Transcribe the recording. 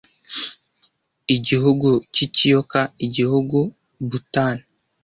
Igihugu cy'Ikiyoka igihugu Bhutani